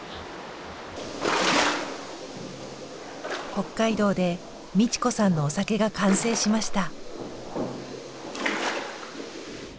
北海道で美智子さんのお酒が完成しました。